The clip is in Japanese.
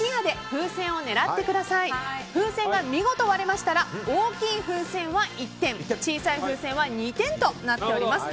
風船が見事割れましたら大きい風船は１点小さい風船は２点となっております。